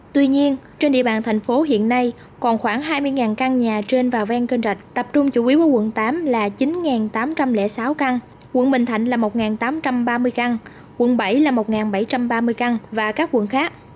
tuy nhiên trên địa bàn thành phố hiện nay còn khoảng hai mươi căn nhà trên và ven kênh rạch tập trung chủ yếu ở quận tám là chín tám trăm linh sáu căn quận bình thạnh là một tám trăm ba mươi căn quận bảy là một bảy trăm ba mươi căn và các quận khác